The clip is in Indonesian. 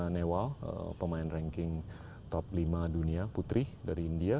newa pemain ranking top lima dunia putri dari india